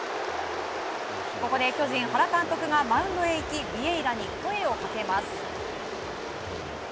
ここで巨人・原監督がマウンドへ行き、ビエイラに声をかけます。